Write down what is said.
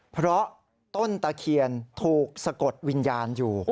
เพราะต้นตะเคียนถูกสะกดวิญญาณอยู่